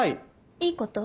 いいこと？